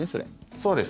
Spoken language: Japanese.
そうです。